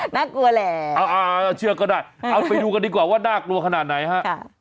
น่ากลัวแหละเชื่อก็ได้เอาไปดูกันดีกว่าว่าน่ากลัวขนาดไหนฮะ